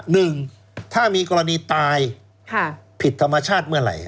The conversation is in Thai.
หนึ่งถ้ามีกรณีตายผิดธรรมชาติเมื่อไหร่